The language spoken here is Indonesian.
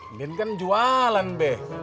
abin kan jual tuh apa kayaknya jadi